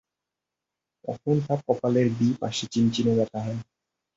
তখন তার কপালের বিী পাশে চিনচিনে ব্যথা হয়।